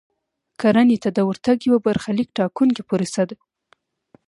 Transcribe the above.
کرنې ته د ورتګ یوه برخلیک ټاکونکې پروسه وه.